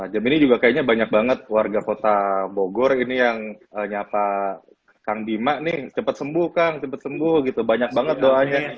jam ini juga kayaknya banyak banget warga kota bogor ini yang nyapa kang bima nih cepet sembuh kang cepet sembuh gitu banyak banget doanya